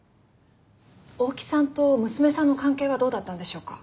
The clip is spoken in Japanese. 大木さんと娘さんの関係はどうだったんでしょうか？